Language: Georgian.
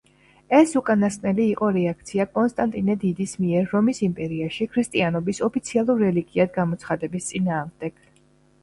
ეს უკანასკნელი იყო რეაქცია კონსტანტინე დიდის მიერ რომის იმპერიაში ქრისტიანობის ოფიციალურ რელიგიად გამოცხადების წინააღმდეგ.